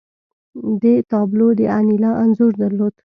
دې تابلو د انیلا انځور درلود